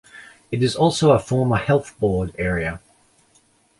It is also a former health board area.